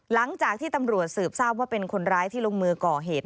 หลังจากที่ตำรวจสืบทราบว่าเป็นคนร้ายที่ลงมือก่อเหตุ